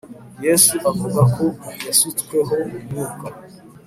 Yesu avuga ko yasutsweho umwuka